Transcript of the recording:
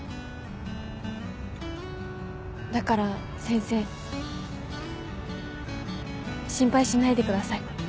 だから先生心配しないでください。